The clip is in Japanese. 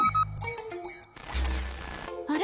あれ？